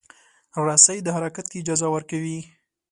رسۍ د حرکت اجازه ورکوي.